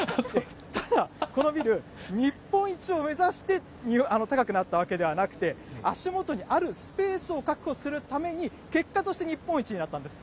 ただこのビル、日本一を目指して高くなったわけではなくて、足元にあるスペースを確保するために、結果として日本一になったんです。